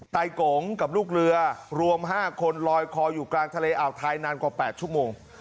ตกงกับลูกเรือรวม๕คนลอยคออยู่กลางทะเลอ่าวไทยนานกว่า๘ชั่วโมง